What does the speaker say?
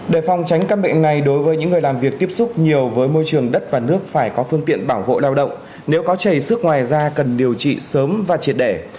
để phòng tránh các bệnh này đối với những người làm việc tiếp xúc nhiều với môi trường đất và nước phải có phương tiện bảo hộ lao động nếu có chảy xước ngoài da cần điều trị sớm và triệt đẻ